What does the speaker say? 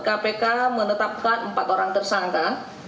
kpk menetapkan empat orang tersangka